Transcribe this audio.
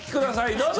どうぞ！